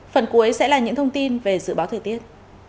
phần cuối sẽ là những thông tin về dự báo thời tiết